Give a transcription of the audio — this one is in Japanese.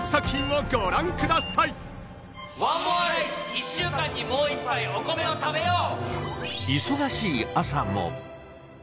１週間にもう１杯お米を食べよう！